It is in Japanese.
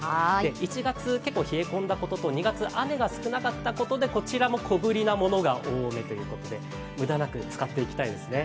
１月、結構冷え込んだことと２月雨が少なかったことでこちらも小ぶりなものが多めということで、無駄なく使っていきたいですね。